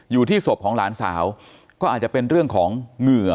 อยู่ที่ศพของหลานสาวก็อาจจะเป็นเรื่องของเหงื่อ